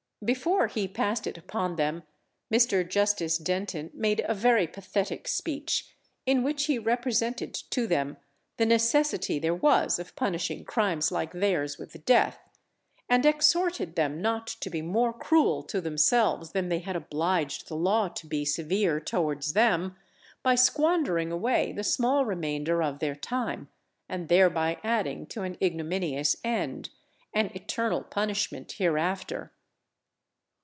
Before he passed it upon them Mr. Justice Denton made a very pathetic speech, in which he represented to them the necessity there was of punishing crimes like theirs with death, and exhorted them not to be more cruel to themselves than they had obliged the law to be severe towards them, by squandering away the small remainder of their time, and thereby adding to an ignominious end, an eternal punishment hereafter.